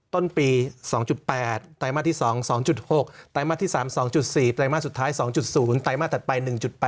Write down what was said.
ต้นปี๒๘ไตรมาสที่๒๒๖ไตรมาสที่๓๒๔ไตรมาสสุดท้าย๒๐ไตรมาสถัดไป๑๘